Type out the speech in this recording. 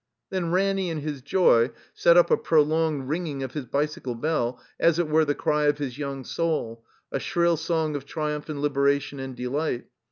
Then Ranny, in his joy, set up a prolonged ringing of his bicycle bell, as it were the cry of his young soul, a shrill song of triiunph and liberation and de light.